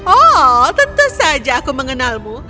oh tentu saja aku mengenalmu